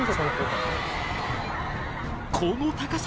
この高さ！